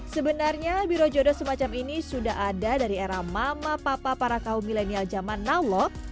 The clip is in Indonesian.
sebenarnya biro jodoh semacam ini sudah ada dari era mama papa para kaum milenial zaman now loh